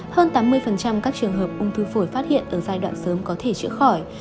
hơn tám mươi các trường hợp ung thư phổi phát hiện ở giai đoạn sớm có thể chữa khỏi